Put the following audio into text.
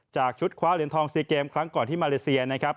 จากชุดคว้าเหรียญทอง๔เกมครั้งก่อนที่มาเลเซียนะครับ